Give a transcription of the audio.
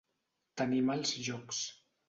Tenir mals jocs.